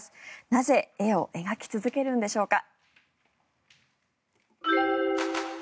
なぜ、絵を描き続けるんでしょうか。